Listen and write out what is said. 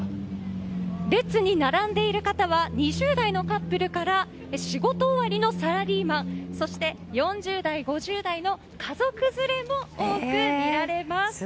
列に並んでいる方は２０代のカップルから仕事終わりのサラリーマンそして、４０代、５０代の家族連れも多く見られます。